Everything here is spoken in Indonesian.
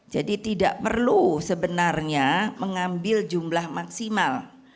jadi tidak perlu sebenarnya mengambil jumlah maksimal